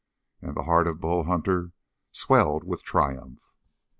And the heart of Bull Hunter swelled with triumph.